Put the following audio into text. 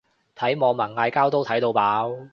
睇網民嗌交都睇到飽